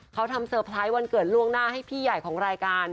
เขาทำเซอร์ไพรส์วันเกิดล่วงหน้าให้พี่ใหญ่ของรายการ